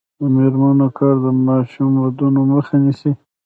د میرمنو کار د ماشوم ودونو مخه نیسي.